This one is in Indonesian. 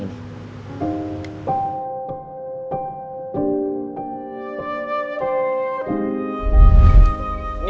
aku suka banget sama jus pisang ini